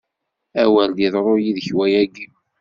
A wer d-iḍru yid-k wayagi!